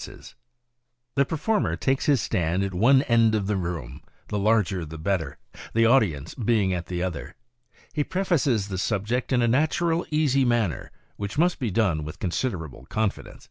30 maccabe's art of ventriloquism The performer takes his stand at one end of the room, the larger the better, the audience being at the other. He prefaces the subject in a natural, easy manner, which must be done with considerable confidence.